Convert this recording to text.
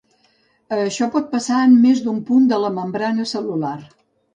Això pot passar en més d'un punt de la membrana cel·lular.